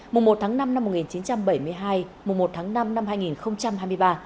mùa một tháng năm năm một nghìn chín trăm bảy mươi hai mùa một tháng năm năm hai nghìn hai mươi ba